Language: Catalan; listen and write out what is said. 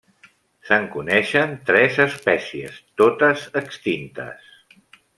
Se'n coneixen tres espècies, totes extintes.